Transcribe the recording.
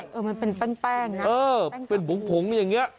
ใช่ใช่เออมันเป็นแป้งนะแป้งสากูเป็นผงอย่างนี้